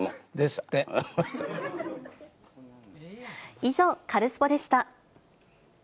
以上、カルスポっ！でした。